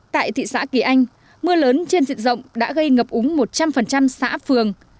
tại thị xã kỳ anh mưa lớn trên diện rộng đã gây ngập úng một trăm linh xã phường